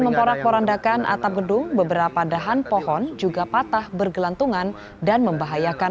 memporak porandakan atap gedung beberapa dahan pohon juga patah bergelantungan dan membahayakan